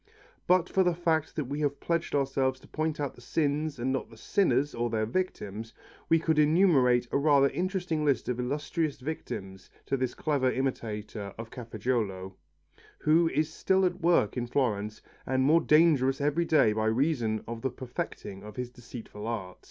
But for the fact that we have pledged ourselves to point out the sins and not the sinners or their victims, we could enumerate a rather interesting list of illustrious victims to this clever imitator of Cafaggiolo, who is still at work in Florence and more dangerous every day by reason of the perfecting of his deceitful art.